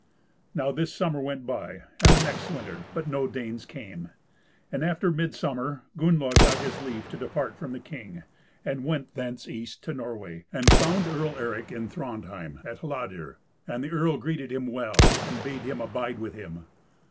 Now this summer went by, and the next winter, but no Danes came; and after midsummer Gunnlaug got his leave to depart from the king, and went thence east to Norway, and found Earl Eric in Thrandheim, at Hladir, and the earl greeted him well, and bade him abide with him.